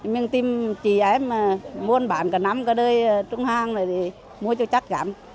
mình tìm chị em mua bán cả năm cả đời trung hàng rồi thì mua cho chắc cảm